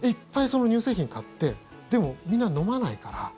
その乳製品を買ってでも、みんな飲まないから。